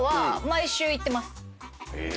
え！